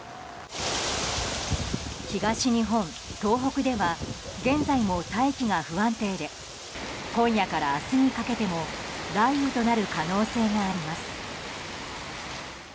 東日本、東北では現在も大気が不安定で今夜から明日にかけても雷雨となる可能性があります。